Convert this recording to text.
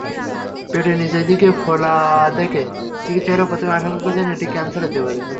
পেটের নিচের দিকে ফোলা দেখে চিকিত্সকেরা প্রথমে আশঙ্কা করেছিলেন, এটি ক্যানসার হতে পারে।